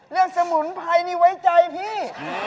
สมุนไพรนี่ไว้ใจพี่